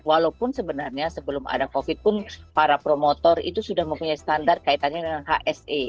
walaupun sebenarnya sebelum ada covid pun para promotor itu sudah mempunyai standar kaitannya dengan hse